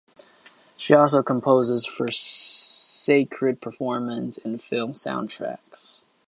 She also composes for sacred performance and film soundtracks.